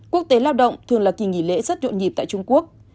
quốc tế lao động thường là kỳ nghỉ lễ rất nhộn nhịp tại trung quốc